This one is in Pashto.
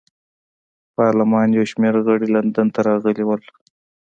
پارلمان یو شمېر غړي لندن ته راغلي وو.